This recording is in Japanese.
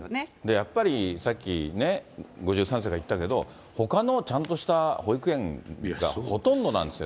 やっぱり、さっきね、５３世が言ったけど、ほかのちゃんとした保育園がほとんどなんですよ。